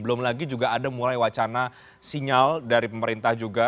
belum lagi juga ada mulai wacana sinyal dari pemerintah juga